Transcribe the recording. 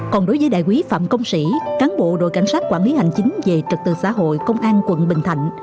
còn đối với đại quý phạm công sĩ cán bộ đội cảnh sát quản lý hành chính về trật tự xã hội công an quận bình thạnh